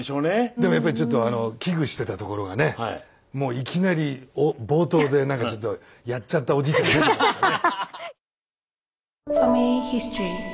でもやっぱりちょっと危惧してたところがねもういきなり冒頭でなんかちょっと「やっちゃったおじいちゃん」出ちゃいましたね。